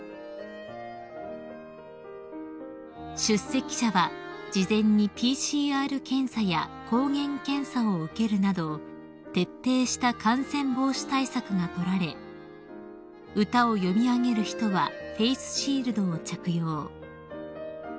［出席者は事前にＰＣＲ検査や抗原検査を受けるなど徹底した感染防止対策がとられ歌を詠み上げる人はフェースシールドを着用］